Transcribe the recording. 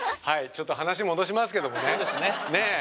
はいちょっと話戻しますけどもね。